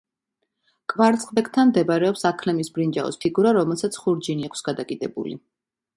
კვარცხლბეკთან მდებარეობს აქლემის ბრინჯაოს ფიგურა, რომელსაც ხურჯინი აქვს გადაკიდებული.